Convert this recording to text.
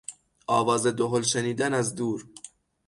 آواز دهل شنیدن از دور...